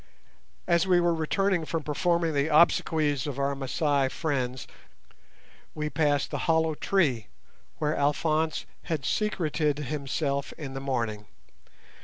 As we were returning from performing the obsequies of our Masai friends we passed the hollow tree where Alphonse had secreted himself in the morning.